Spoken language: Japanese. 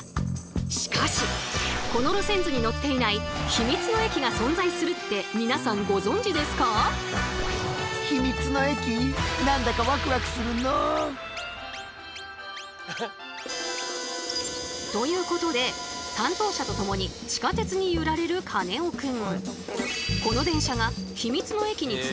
しかしこの路線図に載っていないヒミツの駅が存在するって皆さんご存じですか？ということで担当者と共に地下鉄に揺られるカネオくん。